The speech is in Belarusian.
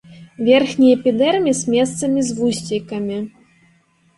Верхні эпідэрміс месцамі з вусцейкамі.